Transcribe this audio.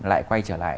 lại quay trở lại